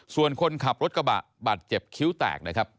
ส่วนคนขับรถกระบะบาดเจ็บคิ้วแตกนะครับ